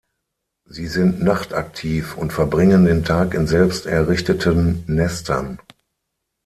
Sie sind nachtaktiv und verbringen den Tag in selbst errichteten Nestern.